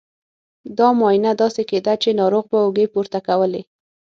دا معاینه داسې کېده چې ناروغ به اوږې پورته کولې.